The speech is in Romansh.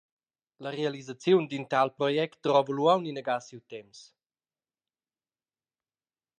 La realisaziun d’in tal project drova lu aunc inagada siu temps.